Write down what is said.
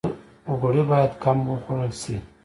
غوړي باید کم وخوړل شي